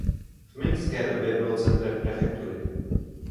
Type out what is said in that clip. V mingské době bylo centrem prefektury.